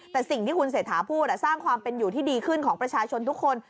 แต่สิ่งที่คุณเศรษฐาพูดสร้างความเป็นอยู่ที่ดีขึ้นของประชาชนทุกคน